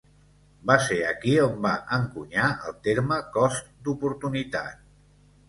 Va ser aquí on va encunyar el terme cost d'oportunitat.